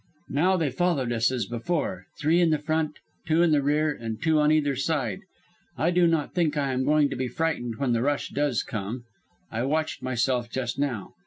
Now they followed us as before three in the front, two in the rear and two on either side. I do not think I am going to be frightened when the rush does come. I watched myself just now.